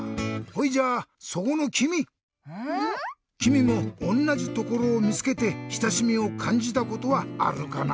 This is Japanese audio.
きみもおんなじところをみつけてしたしみをかんじたことはあるかな？